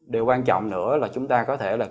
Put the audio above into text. điều quan trọng nữa là chúng ta có thể là